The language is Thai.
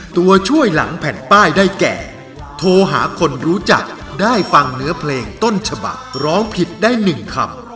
ตัวช่วยหลังแผ่นป้ายได้แก่โทรหาคนรู้จักได้ฟังเนื้อเพลงต้นฉบักร้องผิดได้๑คำ